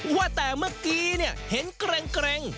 ว่าแต่เมื่อกี้เนี่ยเห็นเกร็ง